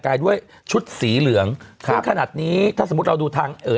กายด้วยชุดสีเหลืองค่ะซึ่งขนาดนี้ถ้าสมมุติเราดูทางเอ่อ